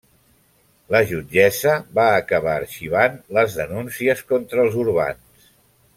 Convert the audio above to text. La jutgessa va acabar arxivant les denúncies contra els urbans.